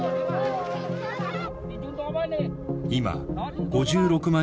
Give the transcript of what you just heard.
今５６万